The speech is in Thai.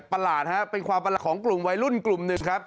ประหลาดฮะเป็นความประหลาดของกลุ่มวัยรุ่นกลุ่มหนึ่งครับ